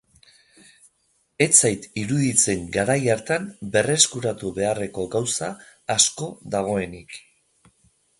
Ez zait iruditzen garai hartan berreskuratu beharreko gauza asko dagoenik.